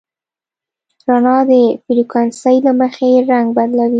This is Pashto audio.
رڼا د فریکونسۍ له مخې رنګ بدلوي.